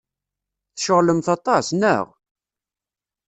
Tceɣlemt aṭas, naɣ?